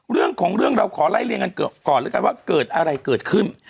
เรื่องของเรื่องเราขอไล่เรียงกันก่อนแล้วกันว่าเกิดอะไรเกิดขึ้น